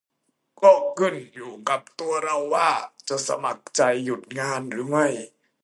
ก็ขึ้นอยู่กับตัวเราว่าจะสมัครใจหยุดงานหรือไม่